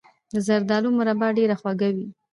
د زردالو مربا ډیره خوږه وي.